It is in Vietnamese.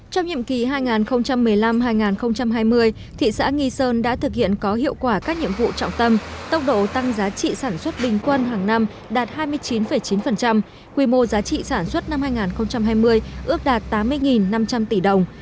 trong nhiệm kỳ hai nghìn một mươi năm hai nghìn hai mươi thị xã nghi sơn đã thực hiện có hiệu quả các nhiệm vụ trọng tâm tốc độ tăng giá trị sản xuất bình quân hàng năm đạt hai mươi chín chín quy mô giá trị sản xuất năm hai nghìn hai mươi ước đạt tám mươi năm trăm linh tỷ đồng